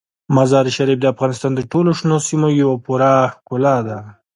مزارشریف د افغانستان د ټولو شنو سیمو یوه پوره ښکلا ده.